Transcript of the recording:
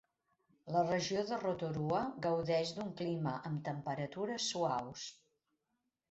La regió de Rotorua gaudeix d'un clima amb temperatures suaus.